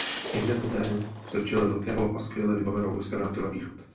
Ihned poté se v čele velkého a skvěle vybaveného vojska vrátil na východ.